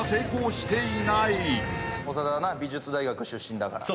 長田はな美術大学出身だから。